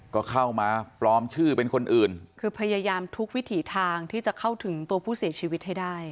ก็เข้ามาปลอมชื่อเป็นคนอื่นคือพยายามทุกวิถีทางที่จะเข้าถึงตัวผู้เสียชีวิตให้ได้